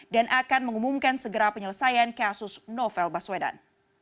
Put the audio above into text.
dan akan mengumumkan segera penyelesaian kasus novel baswedan